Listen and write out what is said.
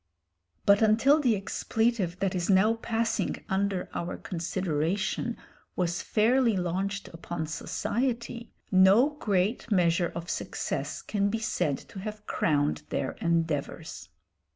But until the expletive that is now passing under our consideration was fairly launched upon society, no great measure of success can be said to have crowned their endeavours.